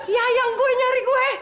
ya yang gue nyari gue